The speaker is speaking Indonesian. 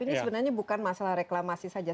ini sebenarnya bukan masalah reklamasi saja